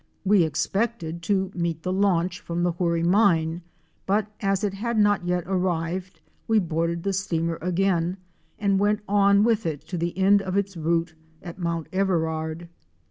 We expected to meet the launch from the Hoorie Mine, but as it had not yet arrived, we boarded the steamer again and went on with it to the end of its route at Mount Everard.